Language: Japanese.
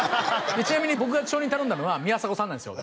ちなみに僕が証人頼んだのは宮迫さんなんですよ